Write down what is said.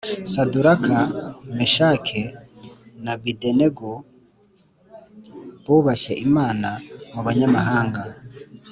Saduraka ,meshake na bedenego bubashye imana mubanyamahanga